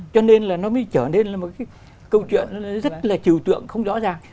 cho nên là nó mới trở nên một câu chuyện rất là trừu tượng không rõ ràng